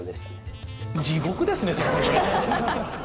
地獄ですねそれ。